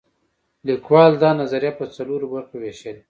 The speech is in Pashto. لیکوال دا نظریه په څلورو برخو ویشلې.